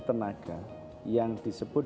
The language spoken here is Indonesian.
tenaga yang disebut